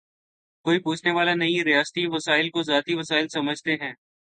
کوئی پوچھنے والا نہیں، ریاستی وسائل کوذاتی وسائل سمجھتے ہیں۔